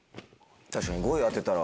確かに５位を当てたら。